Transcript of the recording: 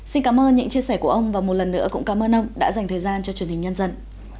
xin cảm ơn những chia sẻ của ông và một lần nữa cũng cảm ơn ông đã dành thời gian cho truyền hình nhân dân